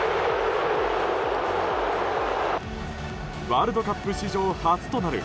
ワールドカップ史上初となる